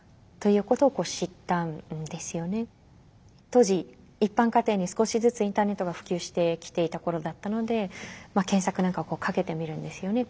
当時一般家庭に少しずつインターネットが普及してきていた頃だったので検索なんかをかけてみるんですよね。